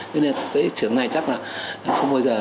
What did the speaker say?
cho nên cái trường này chắc là không bao giờ là người gọi bệnh